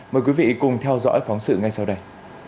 mời quý vị cùng theo dõi phóng sự ngay sau đây